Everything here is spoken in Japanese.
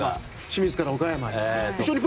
清水から岡山に。